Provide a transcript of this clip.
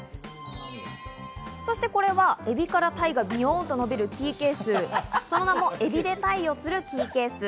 そしてこれは海老から鯛がビヨンと伸びるキーケース、その名も海老で鯛を釣るキーケース。